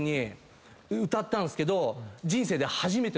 歌ったんすけど。